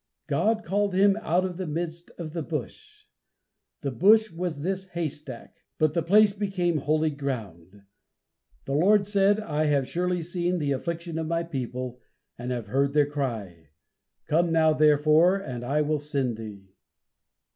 "God called him out of the midst of the bush." The bush was this haystack, but the place became "holy ground." The Lord said: "I have surely seen the affliction of my people, and have heard their cry." "Come now, therefore, and I will send thee."